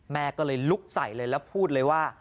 แม่ก็เลยลุกใส่เลยแล้วพูดเลยว่า